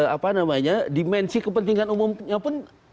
apa namanya dimensi kepentingan umumnya pun